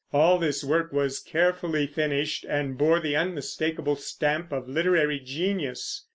All this work was carefully finished, and bore the unmistakable stamp of literary genius.